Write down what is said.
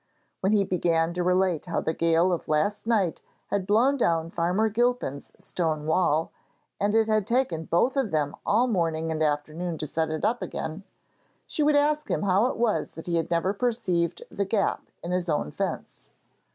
When he began to relate how the gale of last night had blown down Farmer Gilpin's stone wall, and that it had taken both of them all the morning and afternoon to set it up again, she would ask him how it was he had never perceived the gap in his own fence.